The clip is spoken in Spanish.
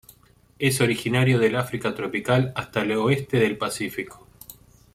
Es originario del África tropical hasta el oeste del Pacífico.